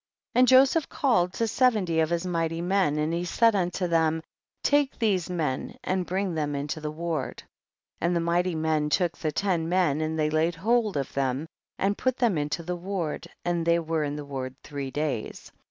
34. And Joseph called to seventy of his mighty men, and he said unto them, take these men and bring them into the ward. 35. And the mighty men took the ten men, they laid hold of them and put them into the ward, and they were in the ward three days.